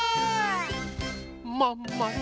まんまる